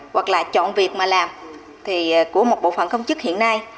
hoặc là chọn việc mà làm thì của một bộ phận công chức hiện nay